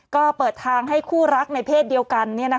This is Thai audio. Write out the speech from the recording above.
ก็เปิดทางให้คู่รักในเพศเดียวกัน